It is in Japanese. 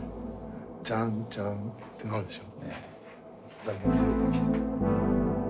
「チャンチャン」ってのがあるでしょ。